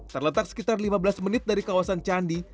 terletak sekitar lima belas menit dari kawasan candi